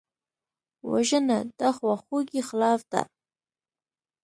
وژنه د خواخوږۍ خلاف ده